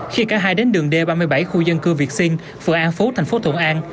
khi cả hai đến đường d ba mươi bảy khu dân cư việt sinh phường an phú thành phố thuận an